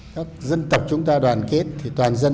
các dân tộc chúng ta đoàn kết thì toàn dân